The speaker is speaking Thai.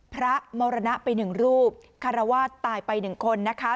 พระมรณะไปหนึ่งรูปคารวาสตายไปหนึ่งคนนะคะ